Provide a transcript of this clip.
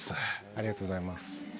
ありがとうございます。